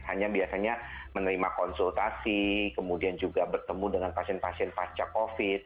hanya biasanya menerima konsultasi kemudian juga bertemu dengan pasien pasien pasca covid